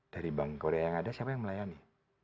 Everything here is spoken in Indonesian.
dari bank korea yang ada siapa yang melayani